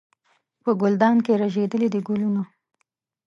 په ګلدان کې رژېدلي دي ګلونه